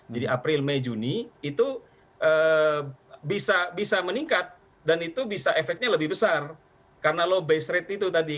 jadi april mei juni itu bisa meningkat dan itu bisa efeknya lebih besar karena low base rate itu tadi